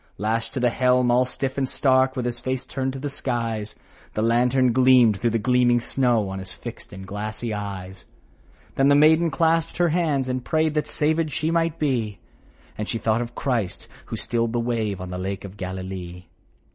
Lashed to the helm, all stiff and stark, With his face turned to the skies, The lantern gleamed through the gleaming snow On his fixed and glassy eyes. M7 THE WRECK OF THE HESPERUS Then the maiden clasped her hands and prayed That saved she might be ; And she thought of Christ, who stilled the wave On the lake of Galilee.